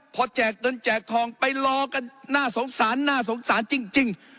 พอแจกเงินแจกทองไปรอกันน่าสงสารน่าสงสารจริง